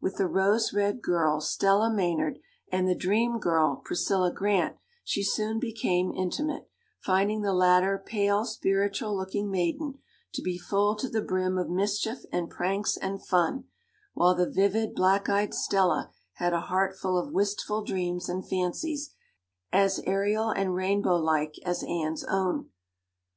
With the "rose red" girl, Stella Maynard, and the "dream girl," Priscilla Grant, she soon became intimate, finding the latter pale spiritual looking maiden to be full to the brim of mischief and pranks and fun, while the vivid, black eyed Stella had a heartful of wistful dreams and fancies, as aerial and rainbow like as Anne's own.